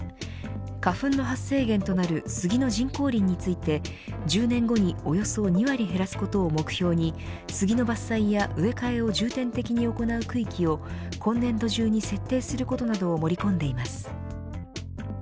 花粉の発生源となるスギの人工林について１０年後におよそ２割減らすことを目標にスギの伐採や植え替えを重点的に行う区域を今年度中に設定することなどを盛り込んでいます。